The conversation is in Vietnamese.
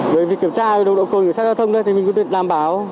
với việc kiểm tra nồng độ cột kiểm soát giao thông mình cũng đảm bảo